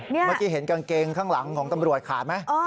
เมื่อกี้เห็นกางเกงข้างหลังของตำรวจขาดไหม